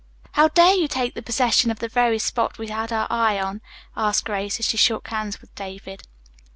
"How dare you take possession of the very spot we had our eye on?" asked Grace, as she shook hands with David.